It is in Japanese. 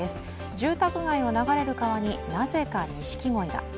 住宅街を流れる川になぜかニシキゴイが。